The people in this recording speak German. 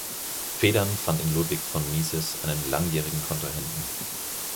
Federn fand in Ludwig von Mises einen langjährigen Kontrahenten.